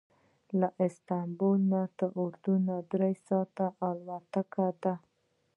له استانبول نه اردن ته درې ساعته الوتنه ده.